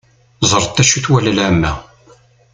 Ẓret acu twala lεamma.